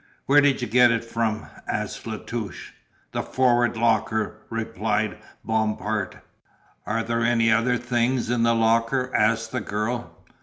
"Where did you get it from?" asked La Touche. "The forward locker," replied Bompard. "Are there any other things in the locker?" asked the girl.